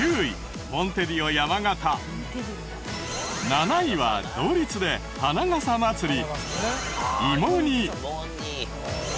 ７位は同率で花笠まつり。